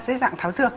dưới dạng tháo dược